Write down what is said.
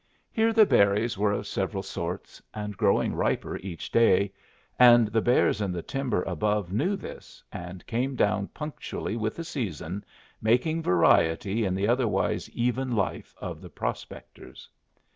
Here the berries were of several sorts, and growing riper each day, and the bears in the timber above knew this, and came down punctually with the season, making variety in the otherwise even life of the prospectors.